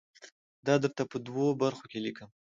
دا درته په دوو برخو کې لیکم.